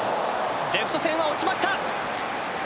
レフト線は落ちました。